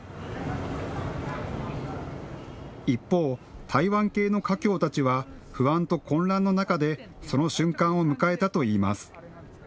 一方、台湾系の華僑たちは不安と混乱の中でその瞬間を迎えたといいます。